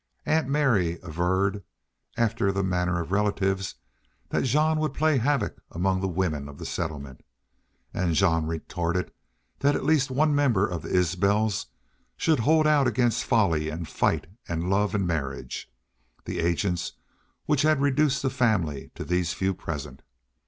Aunt Mary averred, after the manner of relatives, that Jean would play havoc among the women of the settlement. And Jean retorted that at least one member of the Isbels; should hold out against folly and fight and love and marriage, the agents which had reduced the family to these few present.